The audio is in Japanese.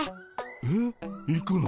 えっ行くの？